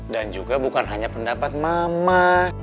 dan juga bukan hanya pendapat mama